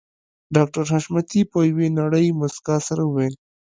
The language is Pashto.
ډاکټر حشمتي په يوې نرۍ مسکا سره وويل